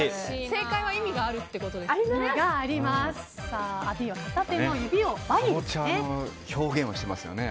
正解は意味があるってことですよね。